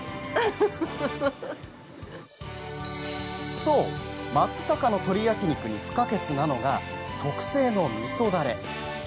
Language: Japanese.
そう、松阪の鶏焼き肉に不可欠なのが特製のみそダレ。